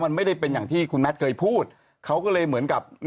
มันไม่ได้เป็นอย่างที่คุณแมทเคยพูดเขาก็เลยเหมือนกับ